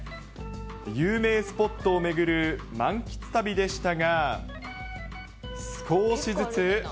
有名スポットを巡る満喫旅でしたが。